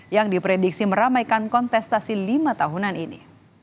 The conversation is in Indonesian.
yang diprediksi meramaikan kontestasi lima tahunan ini